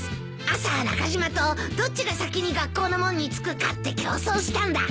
朝中島とどっちが先に学校の門に着くかって競争したんだ。